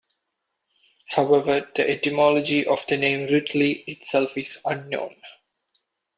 However, the etymology of the name "ridley" itself is unknown.